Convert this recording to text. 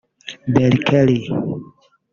Berkeley